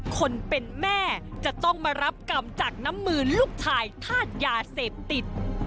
คนเป็นแม่จะต้องมารับกรรมจากน้ำมือลูกชายธาตุยาเสพติด